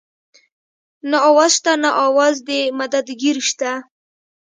نه اواز شته نه اواز د مدد ګير شته